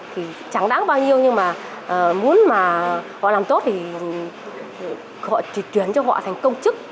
thì chẳng đáng bao nhiêu nhưng mà muốn mà họ làm tốt thì họ chỉ chuyển cho họ thành công chức